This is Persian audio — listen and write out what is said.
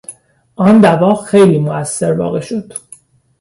آن دوا خیلی مؤثر واقع شد